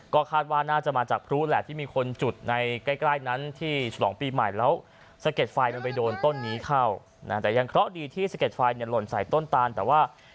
ก็คาดว่าน่าจะมาจากพรุ่นแหละที่มีคนจุดในใกล้นั้นที่สลองปีใหม่แล้ว